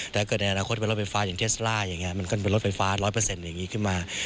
แต่ถ้าเกิดในอนาคตเป็นรถไฟฟ้าอย่างเทซลาร์อย่างเงี้ยมันก็เป็นรถไฟฟ้าร้อยเปอร์เซ็นต์อย่างงี้ขึ้นมา